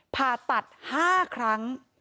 ผ่าตัด๕ครั้ง